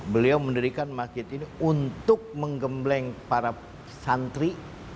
beliau mendirikan masjid ini untuk menggembleng para santri